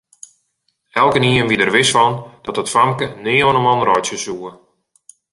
Elkenien wie der wis fan dat dat famke nea oan 'e man reitsje soe.